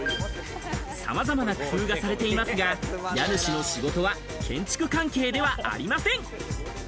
さまざまな工夫がされていますが、家主の仕事は建築関係ではありません。